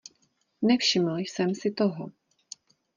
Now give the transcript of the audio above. Nevšiml jsem si toho.